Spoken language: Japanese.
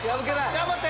頑張って！